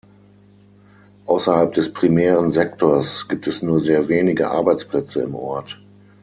Außerhalb des primären Sektors gibt es nur sehr wenige Arbeitsplätze im Ort.